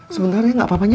sebentar ya gak apa apanya